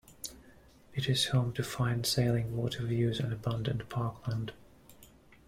It is home to fine sailing, water views and abundant parkland.